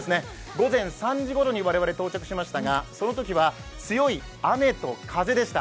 午前３時ごろに我々到着しましたがそのときは強い雨と風でした。